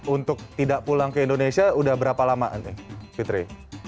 untuk tidak pulang ke indonesia udah berapa lama nih fitri